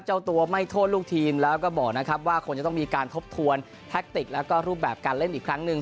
เจ้าตัวไม่โทษลูกทีมแล้วก็บอกนะครับว่าคงจะต้องมีการทบทวนแท็กติกแล้วก็รูปแบบการเล่นอีกครั้งหนึ่ง